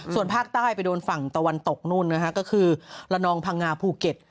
ส่วนภาคใต้ไปโดนฝั่งตะวันตกนู่นนะฮะก็คือละนองพังงาภูเก็ต